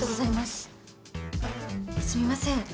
あっすみません。